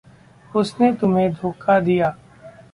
उसने तुम्हें धोखा दिया।